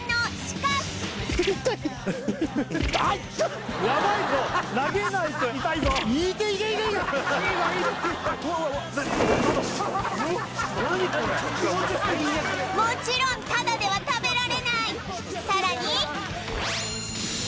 これもちろんタダでは食べられないさらに！